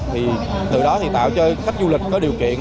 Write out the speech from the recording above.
thì từ đó thì tạo cho khách du lịch có điều kiện